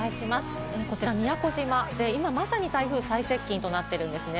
こちら宮古島で、今まさに台風接近となってるんですね。